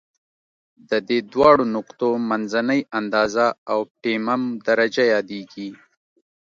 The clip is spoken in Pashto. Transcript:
د دې دواړو نقطو منځنۍ اندازه اؤپټیمم درجه یادیږي.